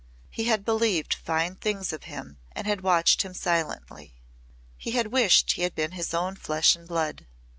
He had believed fine things of him and had watched him silently. He had wished he had been his own flesh and blood.